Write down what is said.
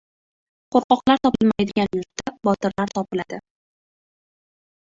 • Qo‘rqoqlar topilmaydigan yurtda botirlar topiladi.